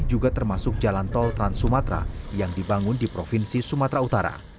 juga termasuk jalan tol trans sumatra yang dibangun di provinsi sumatera utara